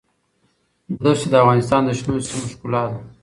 ښتې د افغانستان د شنو سیمو ښکلا ده.